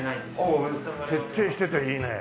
おお徹底してていいね。